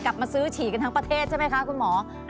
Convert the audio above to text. กลับมาซื้อฉี่กันทั้งประเทศใช่ไหมคะคุณหมอ